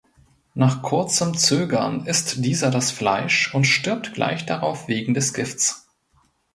Nach kurzem Zögern isst dieser das Fleisch und stirbt gleich darauf wegen des Gifts.